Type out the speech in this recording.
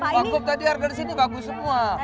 pak gub tadi harga di sini bagus semua